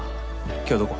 今日どこ？